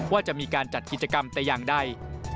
ว่าจะมีการจัดกิจกรรมแต่อย่างใด